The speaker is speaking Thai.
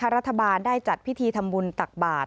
รัฐบาลได้จัดพิธีทำบุญตักบาท